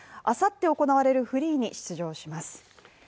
あさって行われるフリーに出場します。